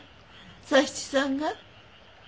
佐七さんが？